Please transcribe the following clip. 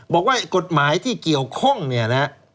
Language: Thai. บอกว่ากฎหมายที่เกี่ยวข้องเนี่ยนะฮะ